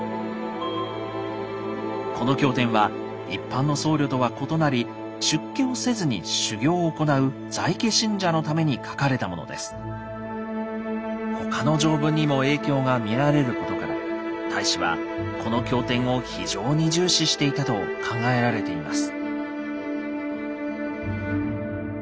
この経典は一般の僧侶とは異なり出家をせずに修行を行う他の条文にも影響が見られることから太子はこの経典を非常に重視していたと考えられています。